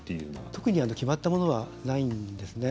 特に決まったものはないんですね。